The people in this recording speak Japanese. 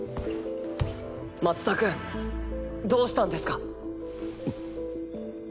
松田君どうしたんですか？